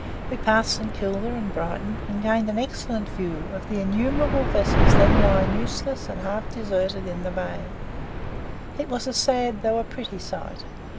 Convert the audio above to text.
We passed St. Kilda and Brighton, and gained an excellent view of the innumerable vessels then lying useless and half deserted in the Bay. It was a sad though a pretty sight.